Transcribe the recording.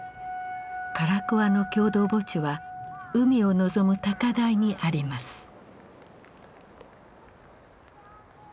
唐桑の共同墓地は海を望む高台にあります。